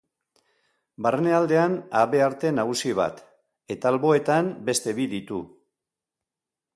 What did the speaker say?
Barnealdean habearte nagusi bat eta alboetan beste bi ditu.